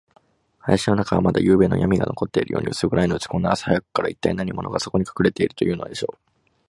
林の中は、まだゆうべのやみが残っているように、うす暗いのです。こんなに朝早くから、いったい何者が、そこにかくれているというのでしょう。